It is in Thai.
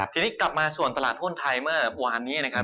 ทีนี้กลับมาส่วนตลาดหุ้นไทยเมื่อวานนี้นะครับ